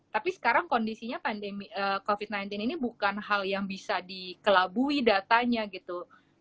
tapi sekarang kondisinya pandemi covid sembilan belas ini bukan hal yang bisa dikelabui datanya gitu